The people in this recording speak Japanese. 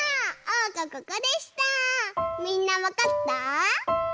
みんなわかった？